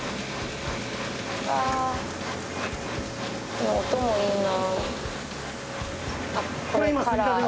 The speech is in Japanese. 「この音もいいな」